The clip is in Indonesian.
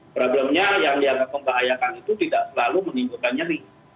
problemnya yang dianggap membahayakan itu tidak selalu menimbulkan nyeri